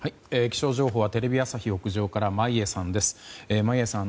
気象情報はテレビ朝日屋上から眞家さん。